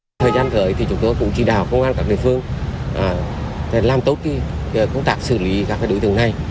thời gian tới thì chúng tôi cũng chỉ đạo công an các địa phương làm tốt công tác xử lý các đối tượng này